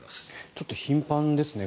ちょっと頻繁ですね